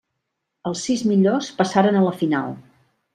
Els sis millors passaren a la final.